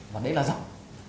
và đấy là dặn